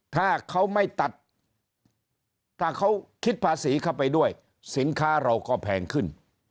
ถ้าเขาไม่ตัดถ้าเขาคิดภาษีเข้าไปด้วยสินค้าเราก็แพงขึ้น